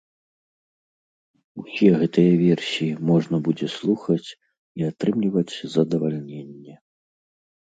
Усе гэтыя версіі можна будзе слухаць і атрымліваць задавальненне.